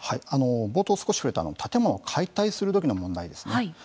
冒頭、少し触れた建物を解体するときの問題です。